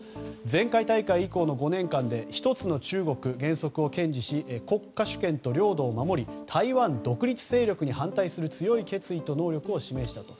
前回大会以降の５年間で一つの中国の原則を堅持し国家主席と領土を守り台湾独立勢力に反対する強い決意を能力を示したと。